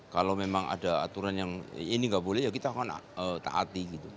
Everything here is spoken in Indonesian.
kalau memang ada aturan yang ini nggak boleh ya kita akan taati gitu